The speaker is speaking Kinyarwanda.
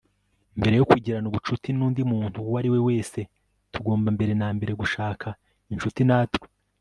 mbere yo kugirana ubucuti n'undi muntu uwo ari we wese, tugomba mbere na mbere gushaka inshuti natwe